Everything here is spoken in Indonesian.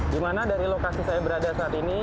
di mana dari lokasi saya berada saat ini